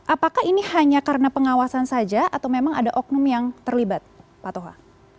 apakah ini hanya karena pengawasan saja atau memang ada oknum yang terlibat pak toha